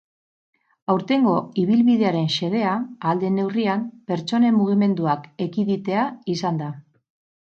Aurtengo ibilbidearen xedea, ahal den neurrian, pertsonen mugimenduak ekiditea izan da.